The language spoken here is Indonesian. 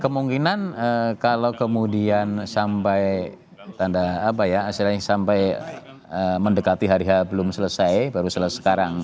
kemungkinan kalau kemudian sampai tanda apa ya hasilnya sampai mendekati hari h belum selesai baru selesai sekarang